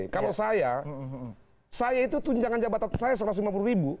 kalau saya saya itu tunjangan jabatan saya satu ratus lima puluh ribu